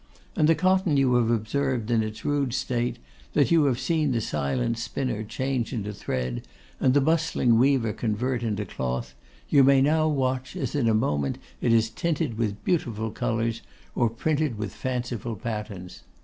And the cotton you have observed in its rude state, that you have seen the silent spinner change into thread, and the bustling weaver convert into cloth, you may now watch as in a moment it is tinted with beautiful colours, or printed with fanciful patterns.